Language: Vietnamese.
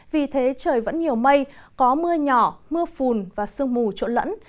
vì thế trời vẫn nhiều mây có mưa nhỏ mưa phùn và sương mù trộn lẫn